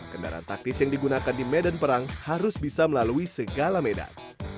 kendaraan taktis yang digunakan di medan perang harus bisa melalui segala medan